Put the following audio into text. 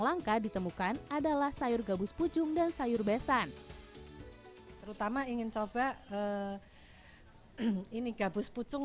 langka ditemukan adalah sayur gabus pucung dan sayur besan terutama ingin coba ini gabus pucung